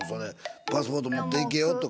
パスポート持って行けよ！とか。